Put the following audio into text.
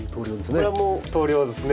これはもう投了ですね。